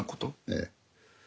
ええ。